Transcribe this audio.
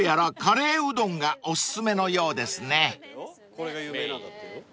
これが有名なんだって。